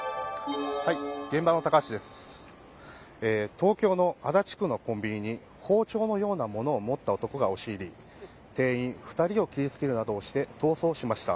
東京・足立区のコンビニに包丁のようなものを持った男が押し入り店員２人を切りつけるなどして逃走しました。